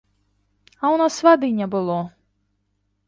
А ў нас вады не было.